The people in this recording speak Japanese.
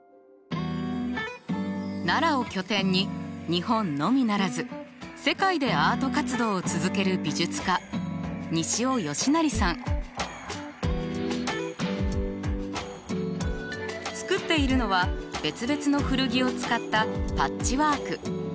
奈良を拠点に日本のみならず世界でアート活動を続ける美術家作っているのは別々の古着を使ったパッチワーク。